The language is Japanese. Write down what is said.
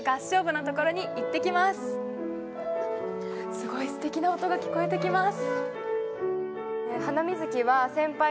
すごい、すてきな音が聴こえてきます。